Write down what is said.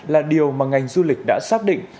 là điều mà ngành du lịch đã xác định